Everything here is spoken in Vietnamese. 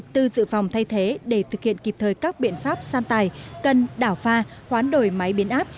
từ dự phòng thay thế để thực hiện kịp thời các biện pháp san tài cần đảo pha hoán đổi máy biến áp